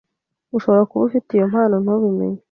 Ushobora kuba ufite iyo mpano ntubimenye